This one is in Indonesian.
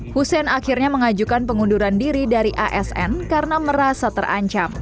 hussein akhirnya mengajukan pengunduran diri dari asn karena merasa terancam